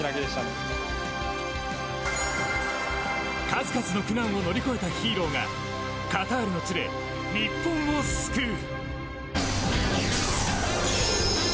数々の苦難を乗り越えたヒーローがカタールの地で日本を救う！